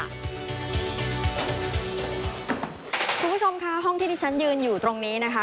คุณผู้ชมค่ะห้องที่ที่ฉันยืนอยู่ตรงนี้นะคะ